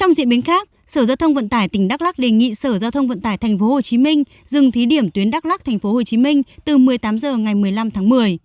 trong diễn biến khác sở giao thông vận tải tỉnh đắk lắc đề nghị sở giao thông vận tải tp hcm dừng thí điểm tuyến đắk lắc tp hcm từ một mươi tám h ngày một mươi năm tháng một mươi